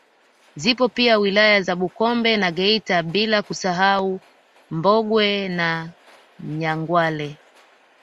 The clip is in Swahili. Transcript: Zipo pia wilaya za Bukombe na Geita bila kusahau Mbogwe na Nyangwale